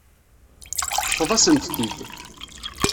Teṭṭfeḍ-asent-t-id.